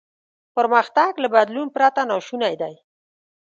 پرمختګ له بدلون پرته ناشونی دی.